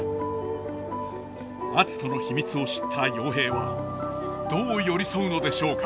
篤人の秘密を知った陽平はどう寄り添うのでしょうか。